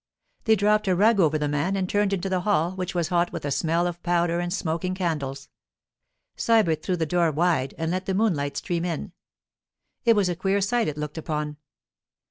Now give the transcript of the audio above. They dropped a rug over the man and turned into the hall, which was hot with the smell of powder and smoking candles. Sybert threw the door wide and let the moonlight stream in. It was a queer sight it looked upon.